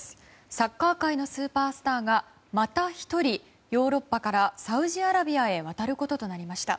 サッカー界のスーパースターがまた１人ヨーロッパからサウジアラビアへ渡ることとなりました。